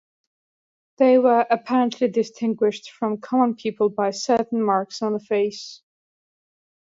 They were apparently distinguished from common people by certain marks on the face.